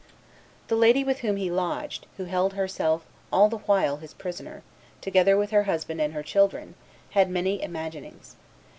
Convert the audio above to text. "The lady with whom he lodged, who held herself all the while his prisoner, together with her husband and her children, had many imaginings.